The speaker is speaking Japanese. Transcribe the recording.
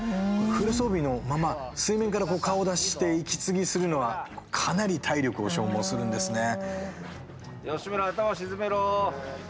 フル装備のまま水面から顔を出して息継ぎするのはかなり体力を消耗するんですね。